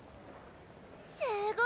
すごいね！